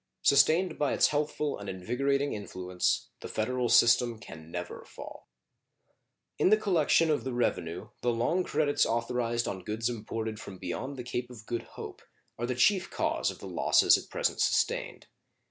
Sustained by its healthful and invigorating influence the federal system can never fall. In the collection of the revenue the long credits authorized on goods imported from beyond the Cape of Good Hope are the chief cause of the losses at present sustained.